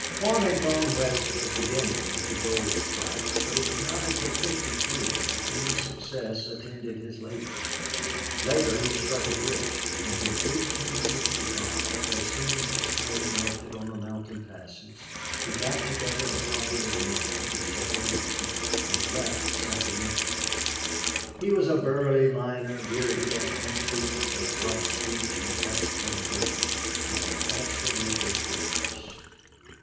Horn had gone West at the beginning of the gold strikes, but it was not until '53 that any success attended his labors. Later he struck it rich, and in 1865, as soon as the snow melted on the mountain passes, he got together a party of men and several women and left Sacramento. He was a burly miner, bearded and uncouth, of rough speech and taciturn nature, and absolutely fearless.